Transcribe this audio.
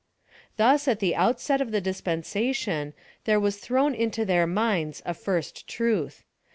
Thus, at the outset of the dispensation, there was thrown into tlieir minds a first truth.